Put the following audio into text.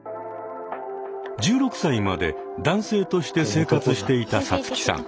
１６歳まで男性として生活していたさつきさん。